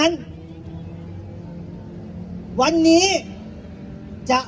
สวัสดีครับ